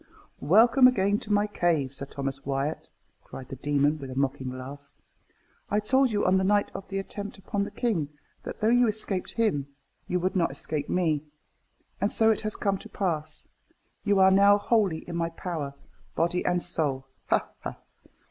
"Welcome again to my cave, Sir Thomas Wyat!" cried the demon, with a mocking laugh. "I told you, on the night of the attempt upon the king, that though you escaped him, you would not escape me. And so it has come to pass. You are now wholly in my power, body and soul ha! ha!"